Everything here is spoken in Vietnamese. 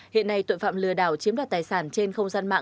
hiện nay tội phạm lừa đảo chiếm đoạt tài sản trên không gian mạng